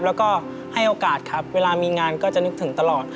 แล้วก็ให้โอกาสครับเวลามีงานก็จะนึกถึงตลอด